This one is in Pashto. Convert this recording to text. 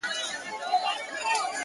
مګر زه خو قاتل نه یمه سلطان یم!!